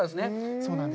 そうなんです。